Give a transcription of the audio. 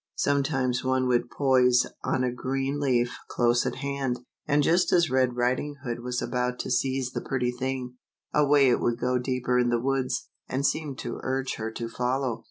Sometimes one would poise on a green leaf close at hand, and just as Red Riding Hood was about to seize the pretty thing, away it would go deeper in the woods, and seem to urge her to follow.